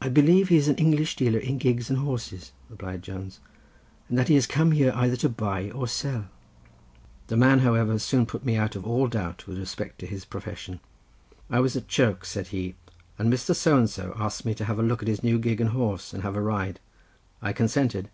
"I believe he is an English dealer in gigs and horses," replied Jones, "and that he is come here either to buy or sell." The man, however, soon put me out of all doubt with respect to his profession. "I was at Chirk," said he, "and Mr. So and so asked me to have a look at his new gig and horse, and have a ride. I consented.